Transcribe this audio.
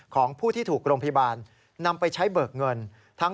ของผู้ที่ถูกโรงพยาบาลนำไปใช้เบิกเงิน